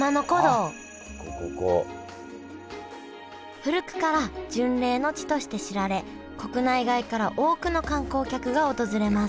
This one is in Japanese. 古くから巡礼の地として知られ国内外から多くの観光客が訪れます